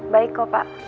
baik kok pak